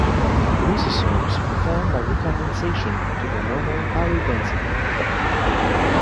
Lysosomes reform by recondensation to their normal, higher density.